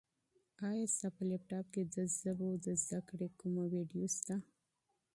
ایا ستا په لیپټاپ کي د ژبو د زده کړې کومه ویډیو شته؟